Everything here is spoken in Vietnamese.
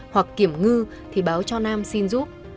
hoặc kiểm ngư thì báo cho nam xin giúp